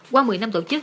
qua một mươi năm tổ chức